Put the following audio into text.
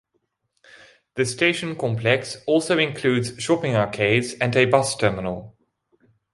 The station complex also includes shopping arcades and a bus terminal.